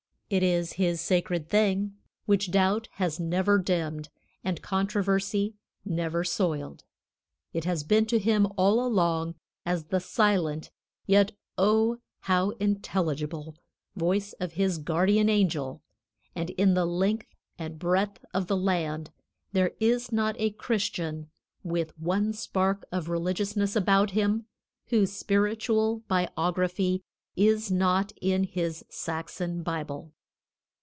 It is his sacred thing, which doubt has never dimmed and controversy never soiled. It has been to him all along as the silent, yet oh, how intelligible! voice of his guardian angel, and in the length and breadth of the land there is not a Christian, with one spark of religiousness about him, whose spiritual Biography is not in his Saxon Bible."